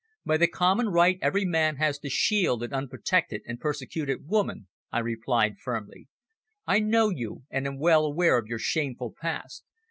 "By the common right every man has to shield an unprotected and persecuted woman," I replied, firmly. "I know you, and am well aware of your shameful past.